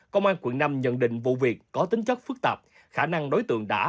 công an quận năm nhận định vụ việc có tính chất phức tạp khả năng đối tượng đã